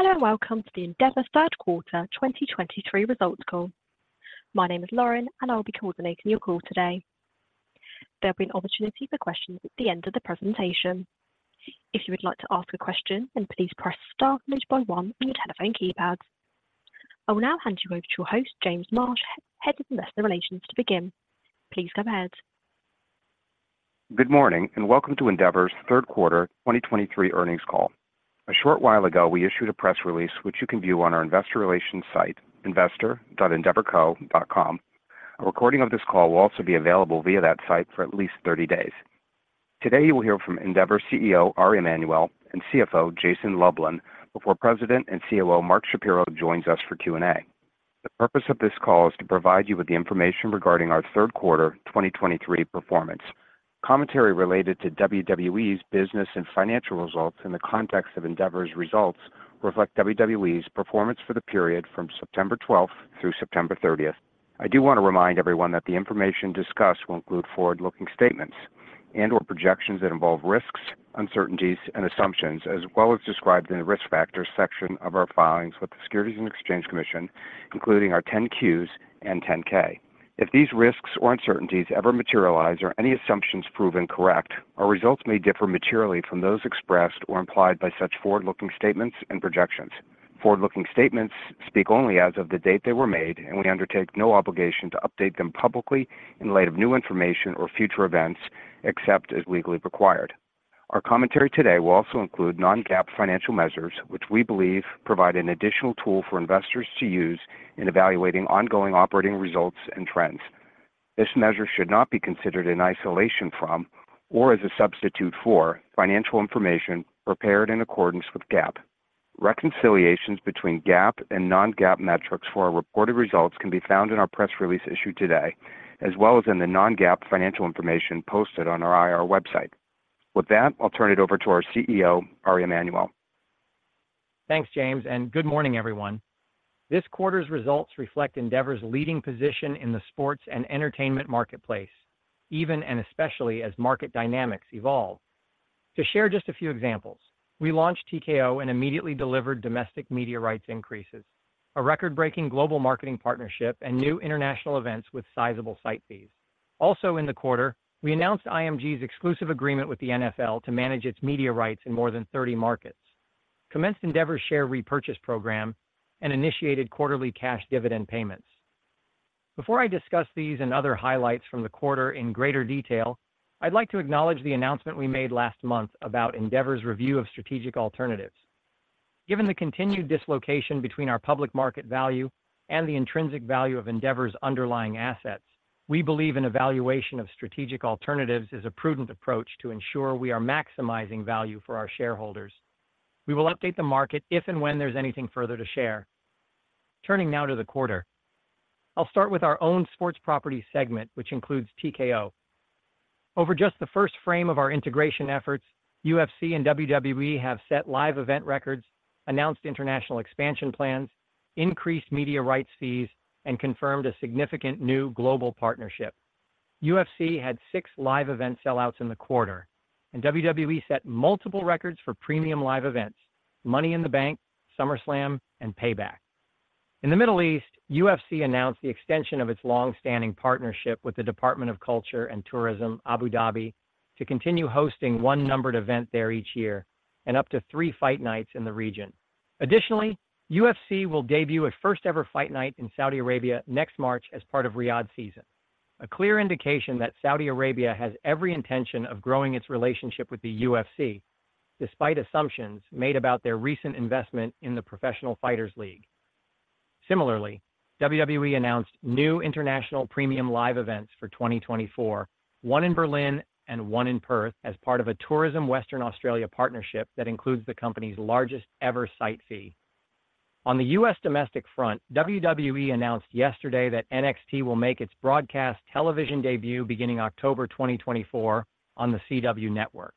Hello, and welcome to the Endeavor Third Quarter 2023 Results Call. My name is Lauren, and I'll be coordinating your call today. There'll be an opportunity for questions at the end of the presentation. If you would like to ask a question, then please press star followed by one on your telephone keypad. I will now hand you over to your host, James Marsh, Head of Investor Relations, to begin. Please go ahead. Good morning, and welcome to Endeavor's third quarter 2023 earnings call. A short while ago, we issued a press release, which you can view on our investor relations site, investor.endeavor.com. A recording of this call will also be available via that site for at least 30 days. Today, you will hear from Endeavor CEO, Ari Emanuel, and CFO, Jason Lublin, before President and COO, Mark Shapiro, joins us for Q&A. The purpose of this call is to provide you with the information regarding our third quarter 2023 performance. Commentary related to WWE's business and financial results in the context of Endeavor's results reflect WWE's performance for the period from September 12th through September 30th. I do want to remind everyone that the information discussed will include forward-looking statements and/or projections that involve risks, uncertainties, and assumptions, as well as described in the Risk Factors section of our filings with the Securities and Exchange Commission, including our 10-Qs and 10-K. If these risks or uncertainties ever materialize or any assumptions proven correct, our results may differ materially from those expressed or implied by such forward-looking statements and projections. Forward-looking statements speak only as of the date they were made, and we undertake no obligation to update them publicly in light of new information or future events, except as legally required. Our commentary today will also include non-GAAP financial measures, which we believe provide an additional tool for investors to use in evaluating ongoing operating results and trends. This measure should not be considered in isolation from or as a substitute for financial information prepared in accordance with GAAP. Reconciliations between GAAP and non-GAAP metrics for our reported results can be found in our press release issued today, as well as in the non-GAAP financial information posted on our IR website. With that, I'll turn it over to our CEO, Ari Emanuel. Thanks, James, and good morning, everyone. This quarter's results reflect Endeavor's leading position in the sports and entertainment marketplace, even and especially as market dynamics evolve. To share just a few examples, we launched TKO and immediately delivered domestic media rights increases, a record-breaking global marketing partnership, and new international events with sizable site fees. Also in the quarter, we announced IMG's exclusive agreement with the NFL to manage its media rights in more than 30 markets, commenced Endeavor's share repurchase program, and initiated quarterly cash dividend payments. Before I discuss these and other highlights from the quarter in greater detail, I'd like to acknowledge the announcement we made last month about Endeavor's review of strategic alternatives. Given the continued dislocation between our public market value and the intrinsic value of Endeavor's underlying assets, we believe an evaluation of strategic alternatives is a prudent approach to ensure we are maximizing value for our shareholders. We will update the market if and when there's anything further to share. Turning now to the quarter. I'll start with our Owned Sports Properties segment, which includes TKO. Over just the first frame of our integration efforts, UFC and WWE have set live event records, announced international expansion plans, increased media rights fees, and confirmed a significant new global partnership. UFC had six live event sellouts in the quarter, and WWE set multiple records for premium live events, Money in the Bank, SummerSlam, and Payback. In the Middle East, UFC announced the extension of its long-standing partnership with the Department of Culture and Tourism, Abu Dhabi, to continue hosting one numbered event there each year and up to three Fight Nights in the region. Additionally, UFC will debut a first-ever Fight Night in Saudi Arabia next March as part of Riyadh Season, a clear indication that Saudi Arabia has every intention of growing its relationship with the UFC, despite assumptions made about their recent investment in the Professional Fighters League. Similarly, WWE announced new international premium live events for 2024, one in Berlin and one in Perth, as part of a Tourism Western Australia partnership that includes the company's largest-ever site fee. On the U.S. domestic front, WWE announced yesterday that NXT will make its broadcast television debut beginning October 2024 on the CW Network.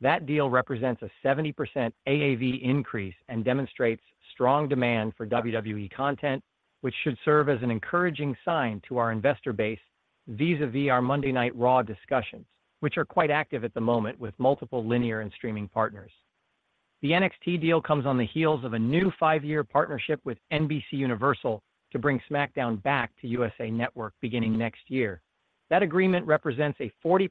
That deal represents a 70% AAV increase and demonstrates strong demand for WWE content, which should serve as an encouraging sign to our investor base vis-a-vis our Monday Night Raw discussions, which are quite active at the moment with multiple linear and streaming partners. The NXT deal comes on the heels of a new five-year partnership with NBCUniversal to bring SmackDown back to USA Network beginning next year. That agreement represents a 40%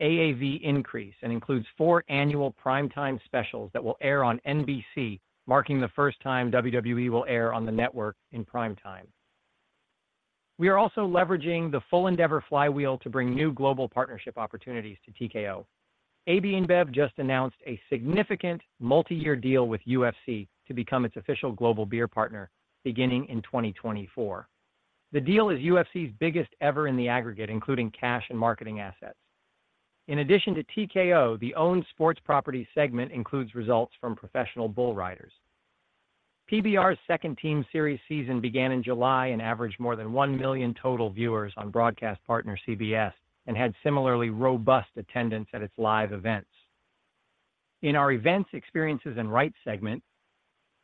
AAV increase and includes four annual primetime specials that will air on NBC, marking the first time WWE will air on the network in primetime. We are also leveraging the full Endeavor flywheel to bring new global partnership opportunities to TKO. AB InBev just announced a significant multi-year deal with UFC to become its official global beer partner beginning in 2024. The deal is UFC's biggest ever in the aggregate, including cash and marketing assets. In addition to TKO, the owned sports property segment includes results from Professional Bull Riders. PBR's second Team Series season began in July and averaged more than 1 million total viewers on broadcast partner CBS, and had similarly robust attendance at its live events. In our events, experiences, and rights segment,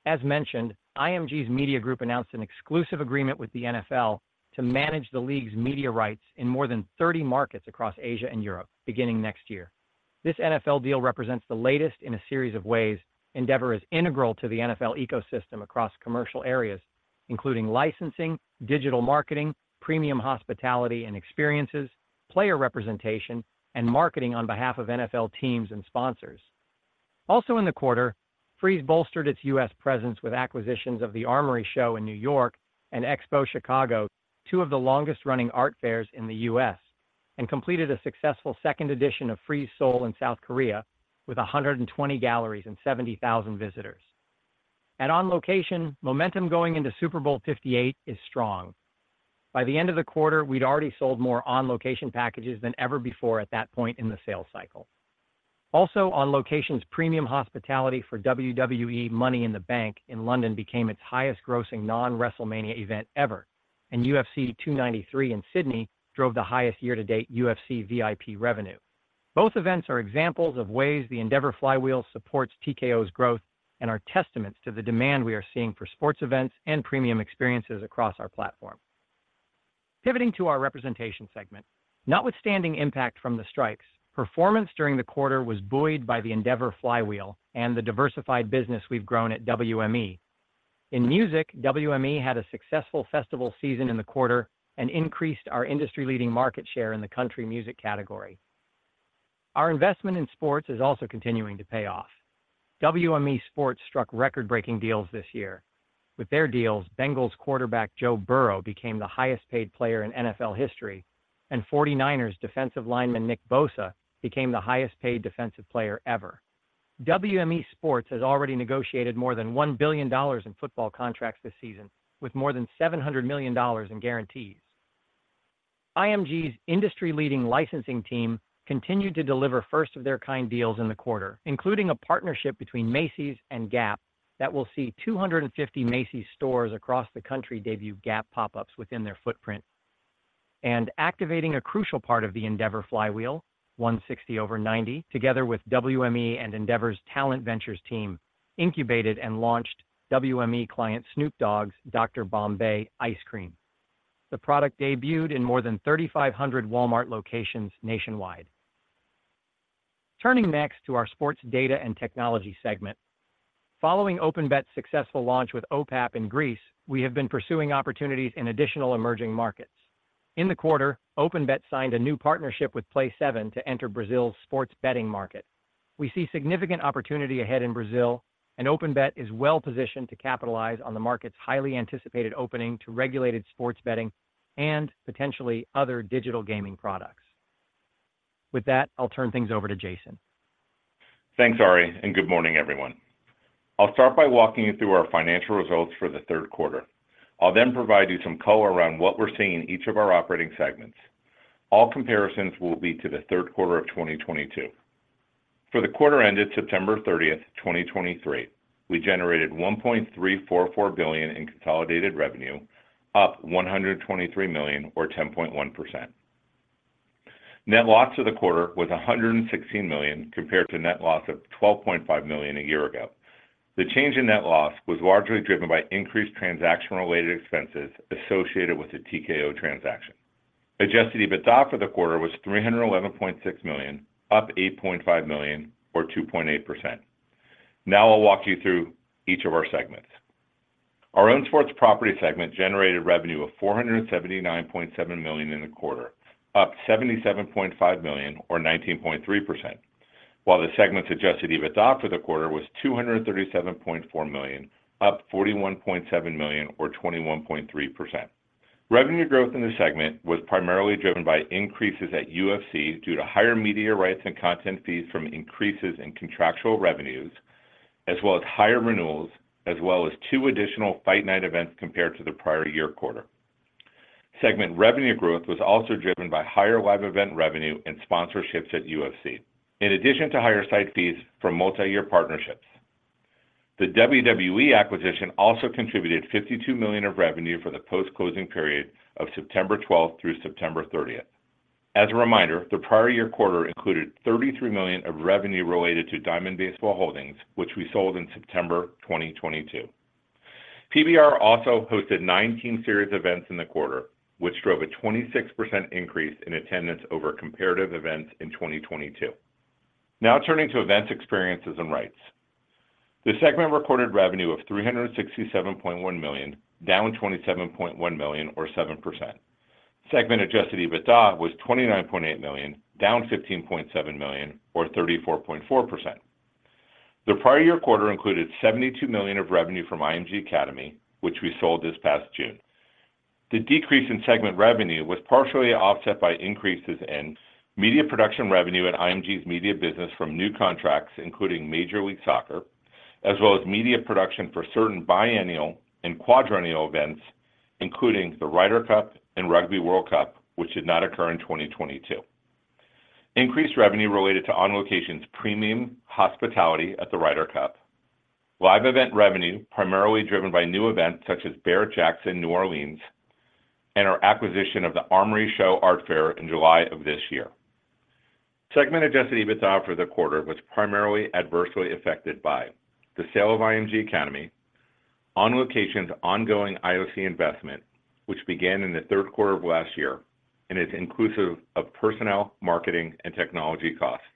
as mentioned, IMG's media group announced an exclusive agreement with the NFL to manage the league's media rights in more than 30 markets across Asia and Europe, beginning next year. This NFL deal represents the latest in a series of ways Endeavor is integral to the NFL ecosystem across commercial areas, including licensing, digital marketing, premium hospitality and experiences, player representation, and marketing on behalf of NFL teams and sponsors. Also in the quarter, Frieze bolstered its U.S. presence with acquisitions of The Armory Show in New York and Expo Chicago, two of the longest-running art fairs in the U.S., and completed a successful second edition of Frieze Seoul in South Korea with 120 galleries and 70,000 visitors. At On Location, momentum going into Super Bowl 58 is strong. By the end of the quarter, we'd already sold more On Location packages than ever before at that point in the sales cycle. Also, On Location's premium hospitality for WWE Money in the Bank in London became its highest-grossing non-WrestleMania event ever, and UFC 293 in Sydney drove the highest year-to-date UFC VIP revenue. Both events are examples of ways the Endeavor Flywheel supports TKO's growth and are testaments to the demand we are seeing for sports events and premium experiences across our platform. Pivoting to our representation segment, notwithstanding impact from the strikes, performance during the quarter was buoyed by the Endeavor Flywheel and the diversified business we've grown at WME. In music, WME had a successful festival season in the quarter and increased our industry-leading market share in the country music category. Our investment in sports is also continuing to pay off. WME Sports struck record-breaking deals this year. With their deals, Bengals quarterback Joe Burrow became the highest-paid player in NFL history, and 49ers defensive lineman Nick Bosa became the highest-paid defensive player ever. WME Sports has already negotiated more than $1 billion in football contracts this season, with more than $700 million in guarantees. IMG's industry-leading licensing team continued to deliver first-of-their-kind deals in the quarter, including a partnership between Macy's and Gap that will see 250 Macy's stores across the country debut Gap pop-ups within their footprint. Activating a crucial part of the Endeavor Flywheel, 160over90, together with WME and Endeavor's Talent Ventures team, incubated and launched WME client Snoop Dogg's Dr. Bombay Ice Cream. The product debuted in more than 3,500 Walmart locations nationwide. Turning next to our sports data and technology segment. Following OpenBet's successful launch with OPAP in Greece, we have been pursuing opportunities in additional emerging markets. In the quarter, OpenBet signed a new partnership with Play7 to enter Brazil's sports betting market. We see significant opportunity ahead in Brazil, and OpenBet is well positioned to capitalize on the market's highly anticipated opening to regulated sports betting and potentially other digital gaming products. With that, I'll turn things over to Jason. Thanks, Ari, and good morning, everyone. I'll start by walking you through our financial results for the third quarter. I'll then provide you some color around what we're seeing in each of our operating segments. All comparisons will be to the third quarter of 2022. For the quarter ended September 30th, 2023, we generated $1.344 billion in consolidated revenue, up $123 million or 10.1%. Net loss for the quarter was $116 million, compared to net loss of $12.5 million a year ago. The change in net loss was largely driven by increased transaction-related expenses associated with the TKO transaction. Adjusted EBITDA for the quarter was $311.6 million, up $8.5 million or 2.8%. Now I'll walk you through each of our segments. Our own sports property segment generated revenue of $479.7 million in the quarter, up $77.5 million or 19.3%, while the segment's adjusted EBITDA for the quarter was $237.4 million, up $41.7 million or 21.3%. Revenue growth in the segment was primarily driven by increases at UFC due to higher media rights and content fees from increases in contractual revenues, as well as higher renewals, as well as two additional fight night events compared to the prior year quarter. Segment revenue growth was also driven by higher live event revenue and sponsorships at UFC, in addition to higher site fees from multi-year partnerships. The WWE acquisition also contributed $52 million of revenue for the post-closing period of September 12th through September 30th. As a reminder, the prior year quarter included $33 million of revenue related to Diamond Baseball Holdings, which we sold in September 2022. PBR also hosted 19 series events in the quarter, which drove a 26% increase in attendance over comparative events in 2022. Now turning to events, experiences, and rights. The segment recorded revenue of $367.1 million, down $27.1 million, or 7%. Segment adjusted EBITDA was $29.8 million, down $15.7 million, or 34.4%. The prior year quarter included $72 million of revenue from IMG Academy, which we sold this past June. The decrease in segment revenue was partially offset by increases in media production revenue at IMG's media business from new contracts, including Major League Soccer, as well as media production for certain biennial and quadrennial events, including the Ryder Cup and Rugby World Cup, which did not occur in 2022. Increased revenue related to On Location's premium hospitality at the Ryder Cup. Live event revenue, primarily driven by new events such as Barrett-Jackson, New Orleans, and our acquisition of the Armory Show art fair in July of this year. Segment adjusted EBITDA for the quarter was primarily adversely affected by the sale of IMG Academy. On Location's ongoing IOC investment, which began in the third quarter of last year, and is inclusive of personnel, marketing, and technology costs,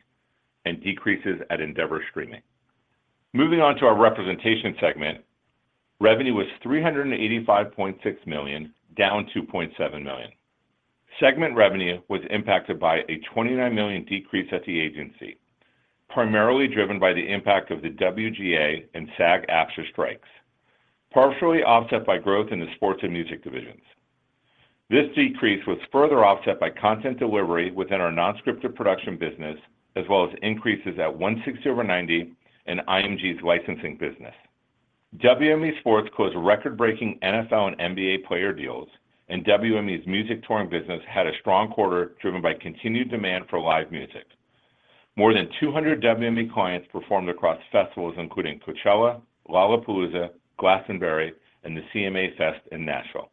and decreases at Endeavor Streaming. Moving on to our representation segment, revenue was $385.6 million, down $2.7 million. Segment revenue was impacted by a $29 million decrease at the agency, primarily driven by the impact of the WGA and SAG-AFTRA strikes, partially offset by growth in the sports and music divisions. This decrease was further offset by content delivery within our non-scripted production business, as well as increases at 160over90 and IMG's licensing business. WME Sports closed record-breaking NFL and NBA player deals, and WME's music touring business had a strong quarter, driven by continued demand for live music. More than 200 WME clients performed across festivals including Coachella, Lollapalooza, Glastonbury, and the CMA Fest in Nashville.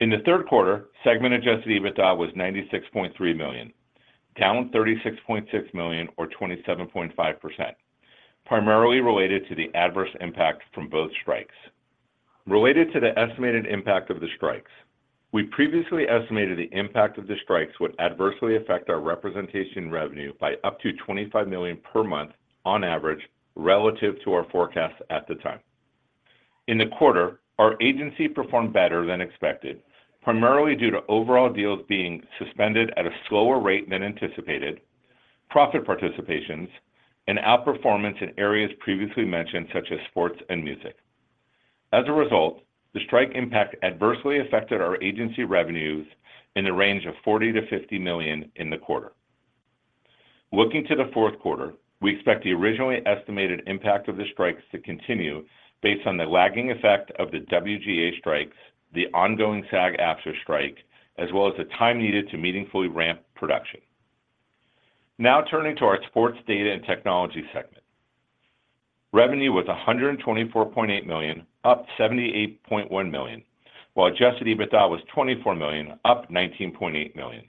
In the third quarter, segment adjusted EBITDA was $96.3 million, down $36.6 million, or 27.5%, primarily related to the adverse impact from both strikes. Related to the estimated impact of the strikes, we previously estimated the impact of the strikes would adversely affect our representation revenue by up to $25 million per month on average, relative to our forecast at the time. In the quarter, our agency performed better than expected, primarily due to overall deals being suspended at a slower rate than anticipated, profit participations, and outperformance in areas previously mentioned, such as sports and music. As a result, the strike impact adversely affected our agency revenues in the range of $40 million-$50 million in the quarter. Looking to the fourth quarter, we expect the originally estimated impact of the strikes to continue based on the lagging effect of the WGA strikes, the ongoing SAG-AFTRA strike, as well as the time needed to meaningfully ramp production. Now, turning to our sports, data, and technology segment. Revenue was $124.8 million, up $78.1 million, while Adjusted EBITDA was $24 million, up $19.8 million.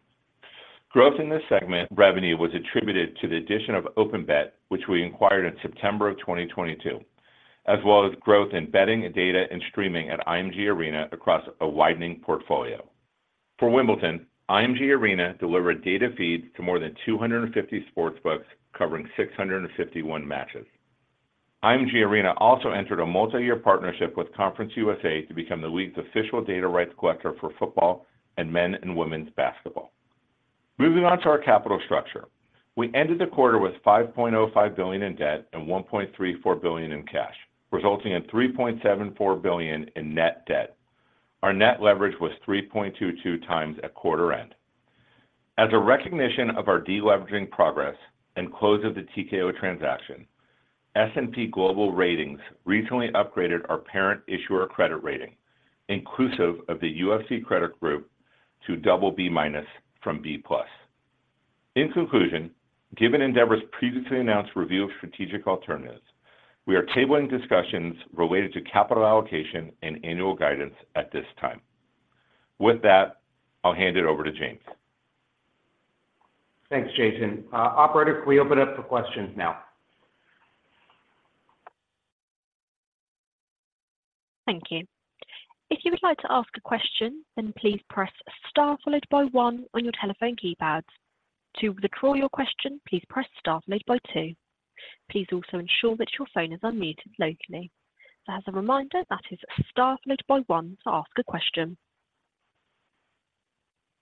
Growth in this segment revenue was attributed to the addition of OpenBet, which we acquired in September 2022, as well as growth in betting, data, and streaming at IMG Arena across a widening portfolio. For Wimbledon, IMG Arena delivered data feeds to more than 250 sports books, covering 651 matches. IMG Arena also entered a multi-year partnership with Conference USA to become the league's official data rights collector for football and men and women's basketball. Moving on to our capital structure. We ended the quarter with $5.05 billion in debt and $1.34 billion in cash, resulting in $3.74 billion in net debt. Our net leverage was 3.22x at quarter end. As a recognition of our deleveraging progress and close of the TKO transaction, S&P Global Ratings recently upgraded our parent issuer credit rating, inclusive of the UFC credit group, to BB- from B+. In conclusion, given Endeavor's previously announced review of strategic alternatives, we are tabling discussions related to capital allocation and annual guidance at this time. With that, I'll hand it over to James. Thanks, Jason. Operator, can we open up for questions now? Thank you. If you would like to ask a question, then please press star followed by one on your telephone keypad. To withdraw your question, please press star followed by two. Please also ensure that your phone is unmuted locally. So as a reminder, that is star followed by one to ask a question.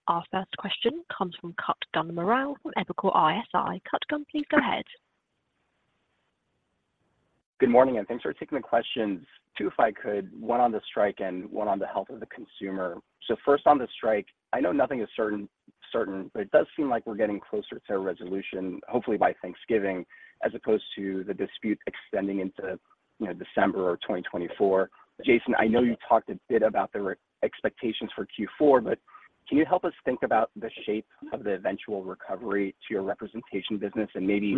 Our first question comes from Kutgun Maral from Evercore ISI. Kutgun, please go ahead. Good morning, and thanks for taking the questions. Two, if I could, one on the strike and one on the health of the consumer. So first, on the strike, I know nothing is certain, but it does seem like we're getting closer to a resolution, hopefully by Thanksgiving, as opposed to the dispute extending into, you know, December of 2024. Jason, I know you talked a bit about the expectations for Q4, but can you help us think about the shape of the eventual recovery to your representation business and maybe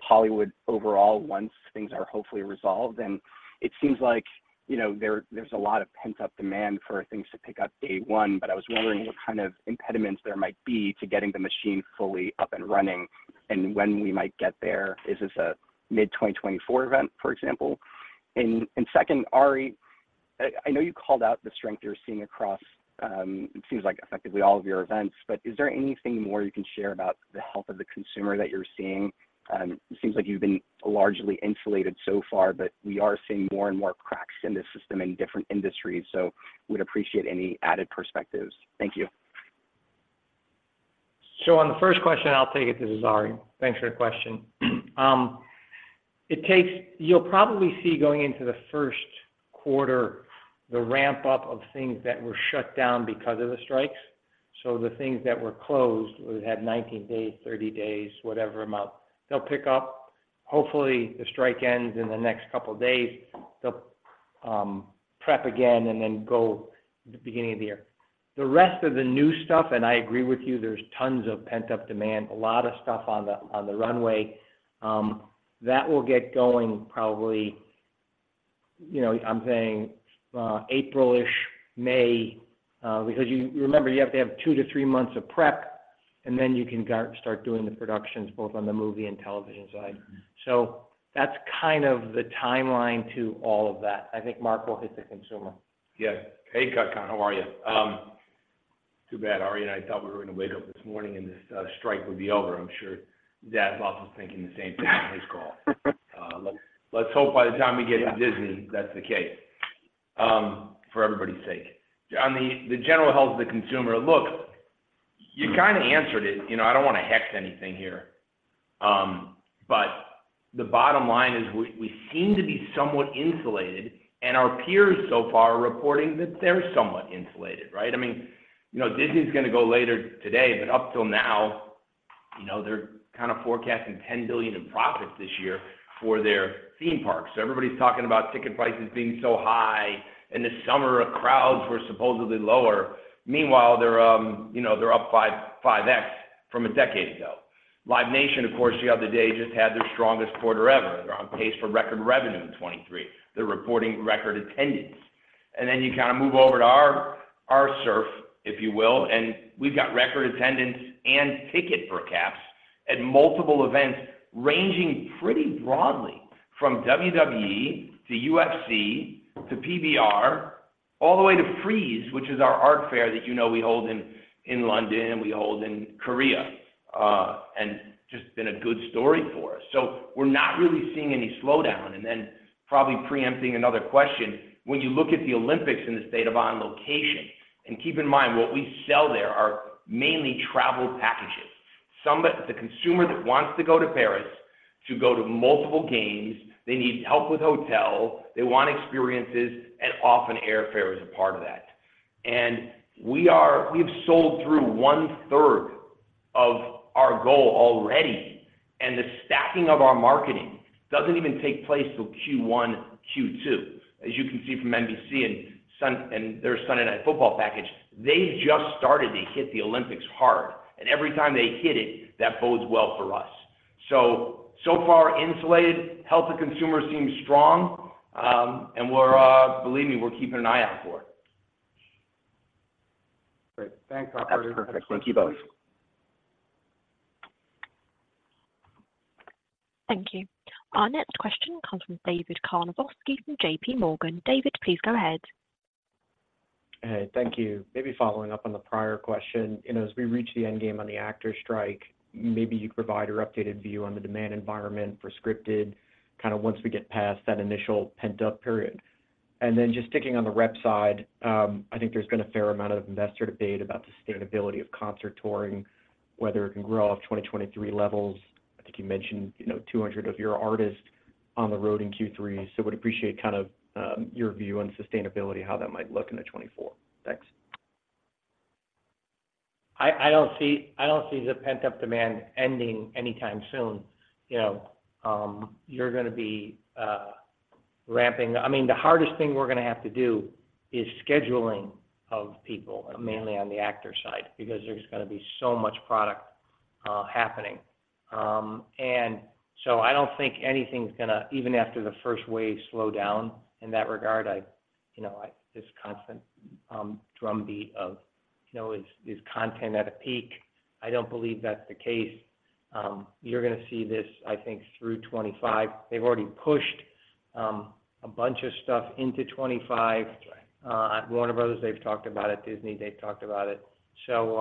Hollywood overall, once things are hopefully resolved? And it seems like, you know, there, there's a lot of pent-up demand for things to pick up day one, but I was wondering what kind of impediments there might be to getting the machine fully up and running, and when we might get there. Is this a mid-2024 event, for example? And second, Ari, I know you called out the strength you're seeing across, it seems like effectively all of your events, but is there anything more you can share about the health of the consumer that you're seeing? It seems like you've been largely insulated so far, but we are seeing more and more cracks in this system in different industries, so would appreciate any added perspectives. Thank you. So on the first question, I'll take it. This is Ari. Thanks for your question. It takes... You'll probably see, going into the first quarter, the ramp-up of things that were shut down because of the strikes. So the things that were closed, whether it had 19 days, 30 days, whatever amount, they'll pick up. Hopefully, the strike ends in the next couple of days. They'll prep again and then go the beginning of the year. The rest of the new stuff, and I agree with you, there's tons of pent-up demand, a lot of stuff on the, on the runway that will get going probably, you know, I'm saying, April-ish, May. Because you remember, you have to have two to three months of prep and then you can start doing the productions, both on the movie and television side. So that's kind of the timeline to all of that. I think Mark will hit the consumer. Yes. Hey, Kutgun, how are you? Too bad, Ari and I thought we were going to wake up this morning, and this strike would be over. I'm sure Dad's also thinking the same thing on his call. Let's hope by the time we get to Disney, that's the case, for everybody's sake. On the general health of the consumer, look, you kinda answered it. You know, I don't want to hex anything here. But the bottom line is, we seem to be somewhat insulated, and our peers so far are reporting that they're somewhat insulated, right? I mean, you know, Disney's gonna go later today, but up till now, you know, they're kind of forecasting $10 billion in profits this year for their theme parks. So everybody's talking about ticket prices being so high, and the summer crowds were supposedly lower. Meanwhile, they're, you know, they're up 5x from a decade ago. Live Nation, of course, the other day, just had their strongest quarter ever. They're on pace for record revenue in 2023. They're reporting record attendance. And then you kinda move over to our, our surf, if you will, and we've got record attendance and ticket per caps at multiple events, ranging pretty broadly from WWE to UFC to PBR, all the way to Frieze, which is our art fair that you know we hold in, in London, and we hold in Korea, and just been a good story for us. So we're not really seeing any slowdown. And then probably preempting another question, when you look at the Olympics in the state of On Location, and keep in mind, what we sell there are mainly travel packages. The consumer that wants to go to Paris to go to multiple games, they need help with hotel, they want experiences, and often airfare is a part of that. And we've sold through one-third of our goal already, and the stacking of our marketing doesn't even take place till Q1, Q2. As you can see from NBC and their Sunday Night Football package, they just started to hit the Olympics hard, and every time they hit it, that bodes well for us. So far, insulated, health of consumers seems strong, and we're, believe me, we're keeping an eye out for it. Great. Thanks, Operator. That's perfect. Thank you both. Thank you. Our next question comes from David Karnovsky from JPMorgan. David, please go ahead. Hey, thank you. Maybe following up on the prior question, you know, as we reach the endgame on the actors strike, maybe you provide your updated view on the demand environment for scripted, kinda once we get past that initial pent-up period. And then just sticking on the rep side, I think there's been a fair amount of investor debate about the sustainability of concert touring, whether it can grow off 2023 levels. I think you mentioned, you know, 200 of your artists on the road in Q3, so would appreciate kind of, your view on sustainability, how that might look into 2024. Thanks. I don't see the pent-up demand ending anytime soon. You know, you're gonna be ramping... I mean, the hardest thing we're gonna have to do is scheduling of people, mainly on the actor side, because there's gonna be so much product happening. And so I don't think anything's gonna, even after the first wave, slow down in that regard. You know, this constant drumbeat of, you know, is content at a peak? I don't believe that's the case. You're gonna see this, I think, through 2025. They've already pushed a bunch of stuff into 2025. Warner Bros., they've talked about it. Disney, they've talked about it. So,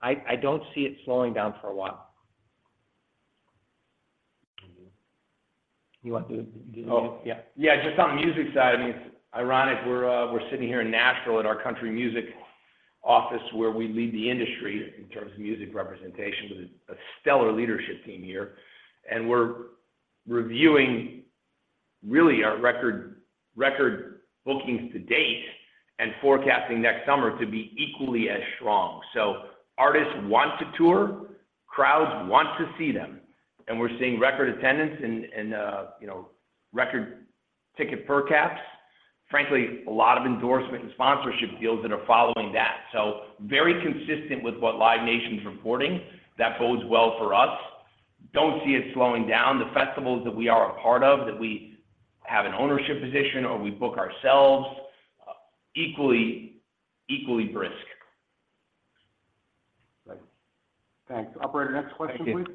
I don't see it slowing down for a while. You want to do it? Do you- Oh, yeah. Yeah, just on the music side, I mean, it's ironic we're, we're sitting here in Nashville at our country music office, where we lead the industry in terms of music representation, with a stellar leadership team here, and we're reviewing really our record, record bookings to date and forecasting next summer to be equally as strong. So artists want to tour, crowds want to see them, and we're seeing record attendance and, you know, record ticket per caps. Frankly, a lot of endorsement and sponsorship deals that are following that. So very consistent with what Live Nation's reporting. That bodes well for us. Don't see it slowing down. The festivals that we are a part of, that we have an ownership position or we book ourselves, equally, equally brisk. Great. Thanks. Operator, next question, please.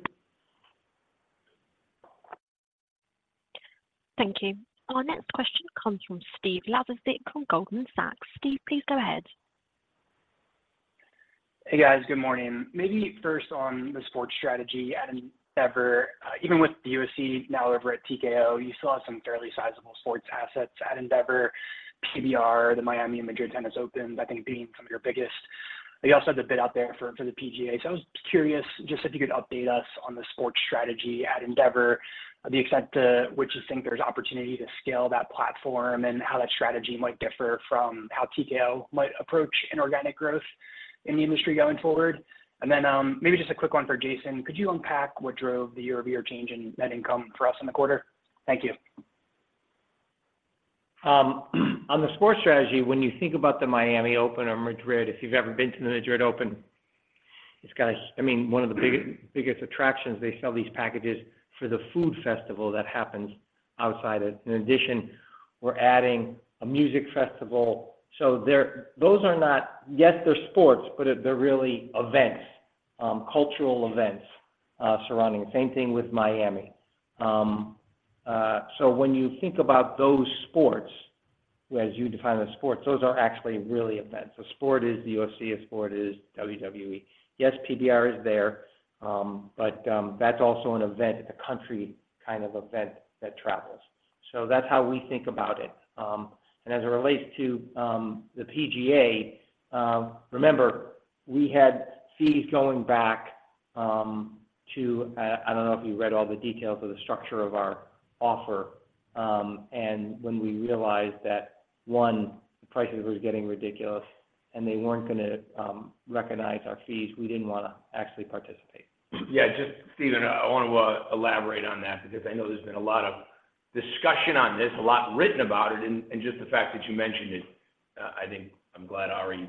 Thank you. Our next question comes from Steve Laszczyk from Goldman Sachs. Steve, please go ahead. Hey, guys. Good morning. Maybe first on the sports strategy at Endeavor, even with the UFC now over at TKO, you still have some fairly sizable sports assets at Endeavor, PBR, the Miami and Madrid Tennis Opens, I think, being some of your biggest. You also have the bid out there for the PGA. So I was curious just if you could update us on the sports strategy at Endeavor, the extent to which you think there's opportunity to scale that platform, and how that strategy might differ from how TKO might approach inorganic growth in the industry going forward. Then, maybe just a quick one for Jason. Could you unpack what drove the year-over-year change in net income for us in the quarter? Thank you. On the sports strategy, when you think about the Miami Open or Madrid, if you've ever been to the Madrid Open, it's got, I mean, one of the biggest, biggest attractions, they sell these packages for the food festival that happens outside it. In addition, we're adding a music festival. So there, those are not, yes, they're sports, but they're really events, cultural events surrounding it. Same thing with Miami. So when you think about those sports, as you define those sports, those are actually really events. A sport is the UFC, a sport is WWE. Yes, PBR is there, but that's also an event, a country kind of event that travels. So that's how we think about it. And as it relates to the PGA, remember, we had fees going back to, I don't know if you read all the details of the structure of our offer, and when we realized that, one, the pricing was getting ridiculous and they weren't gonna recognize our fees, we didn't wanna actually participate. Yeah, just Stephen, I wanna elaborate on that because I know there's been a lot of discussion on this, a lot written about it, and just the fact that you mentioned it, I think I'm glad Ari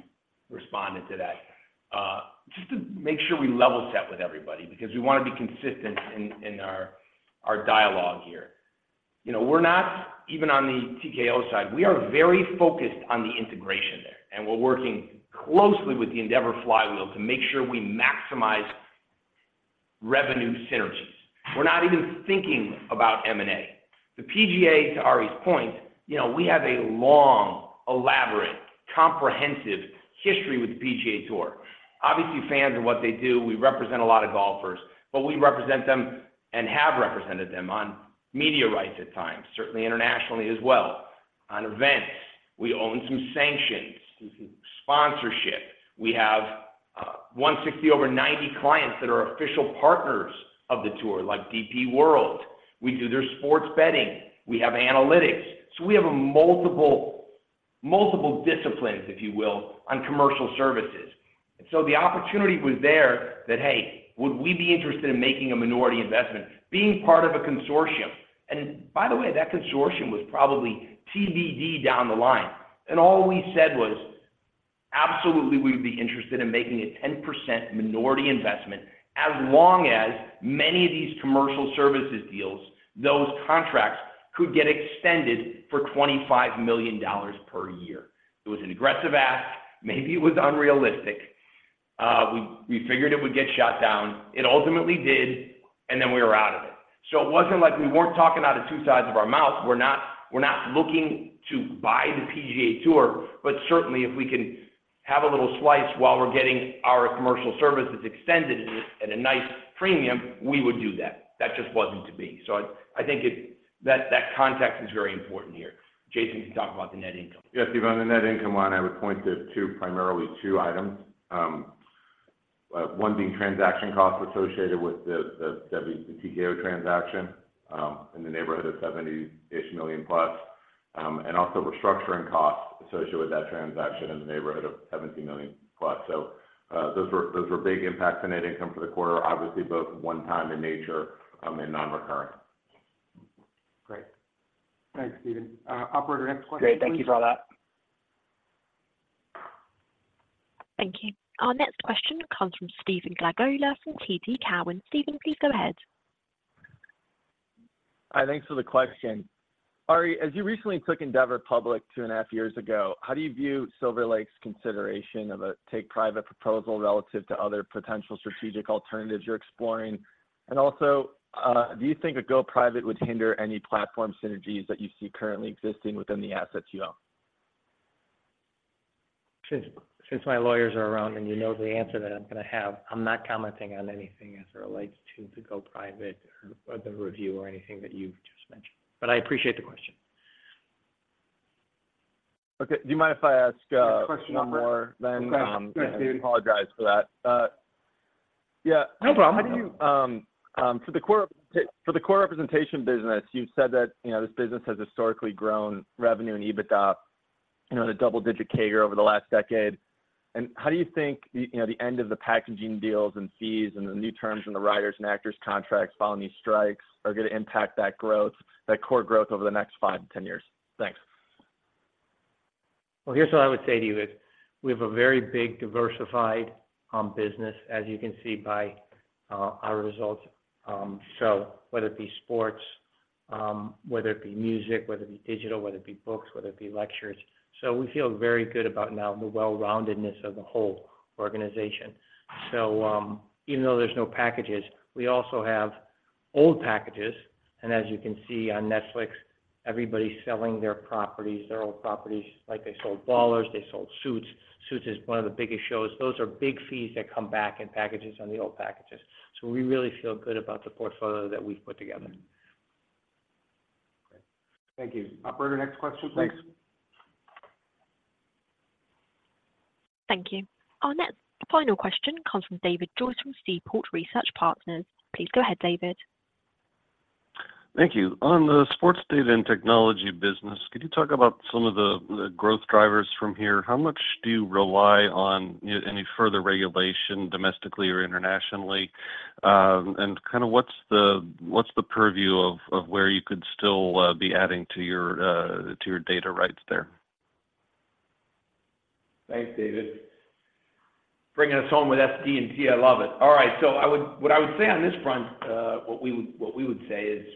responded to that. Just to make sure we level set with everybody, because we wanna be consistent in our dialogue here. You know, we're not even on the TKO side. We are very focused on the integration there, and we're working closely with the Endeavor Flywheel to make sure we maximize revenue synergies. We're not even thinking about M&A. The PGA, to Ari's point, you know, we have a long, elaborate, comprehensive history with the PGA Tour. Obviously, fans and what they do, we represent a lot of golfers, but we represent them and have represented them on media rights at times, certainly internationally as well, on events. We own some sanctions, sponsorship. We have, 160over90 clients that are official partners of the tour, like DP World. We do their sports betting, we have analytics. So we have a multiple, multiple disciplines, if you will, on commercial services. And so the opportunity was there that, hey, would we be interested in making a minority investment, being part of a consortium? And by the way, that consortium was probably TBD down the line. And all we said was, "Absolutely, we'd be interested in making a 10% minority investment, as long as many of these commercial services deals, those contracts, could get extended for $25 million per year." It was an aggressive ask. Maybe it was unrealistic. We figured it would get shot down. It ultimately did, and then we were out of it. So it wasn't like we weren't talking out of two sides of our mouth. We're not looking to buy the PGA Tour, but certainly if we can have a little slice while we're getting our commercial services extended at a nice premium, we would do that. That just wasn't to be. So I think it- that context is very important here. Jason, can you talk about the net income? Yes, Stephen, on the net income one, I would point to two, primarily two items. One being transaction costs associated with the TKO transaction, in the neighborhood of $70-ish million plus, and also restructuring costs associated with that transaction in the neighborhood of $17 million+. So, those were big impacts on net income for the quarter, obviously, both one time in nature, and non-recurrent. Great. Thanks, Stephen. Operator, next question, please. Great. Thank you for all that. Thank you. Our next question comes from Stephen Glagola from TD Cowen. Stephen, please go ahead. Hi, thanks for the question. Ari, as you recently took Endeavor public two and a half years ago, how do you view Silver Lake's consideration of a take-private proposal relative to other potential strategic alternatives you're exploring? And also, do you think a go private would hinder any platform synergies that you see currently existing within the assets you own? Since my lawyers are around and you know the answer that I'm gonna have, I'm not commenting on anything as it relates to the go private or the review or anything that you've just mentioned, but I appreciate the question. Okay. Do you mind if I ask? Next question, Operator.... one more then? Go ahead. Go ahead, Stephen. I apologize for that. Yeah. No problem. How do you for the core representation business, you've said that, you know, this business has historically grown revenue and EBITDA, you know, in a double-digit CAGR over the last decade. How do you think the, you know, the end of the packaging deals and fees, and the new terms in the writers' and actors' contracts following these strikes are gonna impact that growth, that core growth over the next five to 10 years? Thanks. Well, here's what I would say to you is: We have a very big, diversified business, as you can see by our results. So whether it be sports, whether it be music, whether it be digital, whether it be books, whether it be lectures. So we feel very good about now the well-roundedness of the whole organization. So, even though there's no packages, we also have old packages, and as you can see on Netflix, everybody's selling their properties, their old properties. Like, they sold Ballers, they sold Suits. Suits is one of the biggest shows. Those are big fees that come back in packages on the old packages. So we really feel good about the portfolio that we've put together. Great. Thank you. Operator, next question, please. Thanks. Thank you. Our next final question comes from David Joyce from Seaport Research Partners. Please go ahead, David. Thank you. On the sports data and technology business, could you talk about some of the growth drivers from here? How much do you rely on any further regulation, domestically or internationally? Kind of what's the purview of where you could still be adding to your data rights there? ... Thanks, David. Bringing us home with SD&T, I love it. All right, so I would say on this front, what we would say is,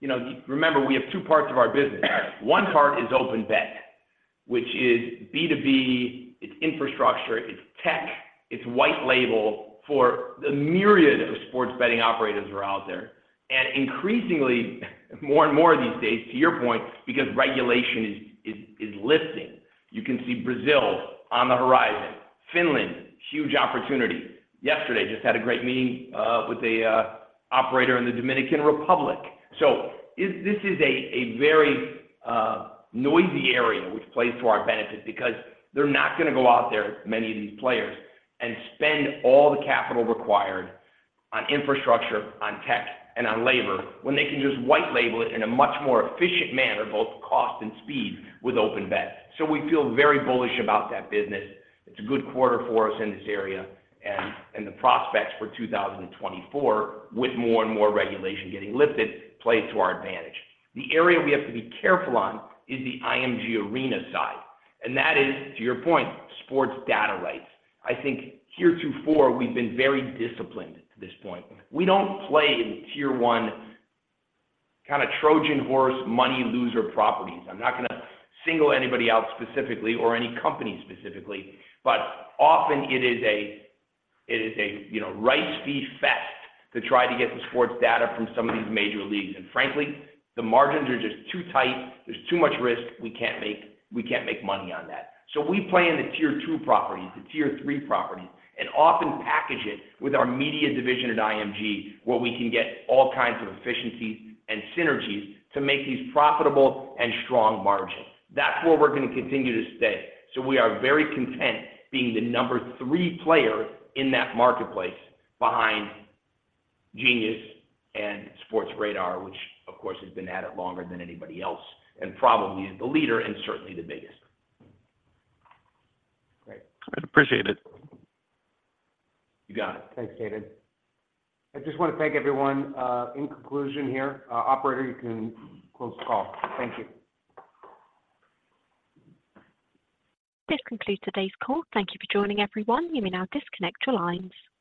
you know, remember, we have two parts of our business. One part is OpenBet, which is B2B, it's infrastructure, it's tech, it's white label for the myriad of sports betting operators who are out there. And increasingly, more and more these days, to your point, because regulation is lifting. You can see Brazil on the horizon, Finland, huge opportunity. Yesterday, just had a great meeting with a operator in the Dominican Republic. So this is a very noisy area, which plays to our benefit because they're not going to go out there, many of these players, and spend all the capital required on infrastructure, on tech, and on labor, when they can just white label it in a much more efficient manner, both cost and speed, with OpenBet. So we feel very bullish about that business. It's a good quarter for us in this area, and the prospects for 2024, with more and more regulation getting lifted, play to our advantage. The area we have to be careful on is the IMG Arena side, and that is, to your point, sports data rights. I think heretofore, we've been very disciplined to this point. We don't play in Tier 1, kind of Trojan Horse, money loser properties. I'm not going to single anybody out specifically or any company specifically, but often it is a, you know, rights fee fest to try to get the sports data from some of these major leagues. Frankly, the margins are just too tight. There's too much risk. We can't make money on that. So we play in the Tier 2 properties, the Tier 3 properties, and often package it with our media division at IMG, where we can get all kinds of efficiencies and synergies to make these profitable and strong margins. That's where we're going to continue to stay. So we are very content being the number three player in that marketplace behind Genius Sports and Sportradar, which of course, has been at it longer than anybody else, and probably is the leader and certainly the biggest. Great. I appreciate it. You got it. Thanks, David. I just want to thank everyone, in conclusion here. Operator, you can close the call. Thank you. This concludes today's call. Thank you for joining, everyone. You may now disconnect your lines.